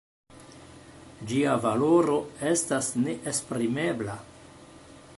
Ĝia valoro estas neesprimebla.